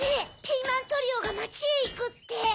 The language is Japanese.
ピーマントリオがまちへいくって。